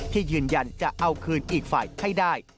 ยืนยันจะเอาคืนอีกฝ่ายให้ได้